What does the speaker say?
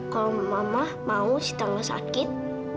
kalau mama mau sita gak sakit